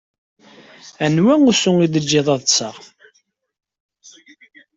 Anwa usu ideg ad ṭṭseɣ.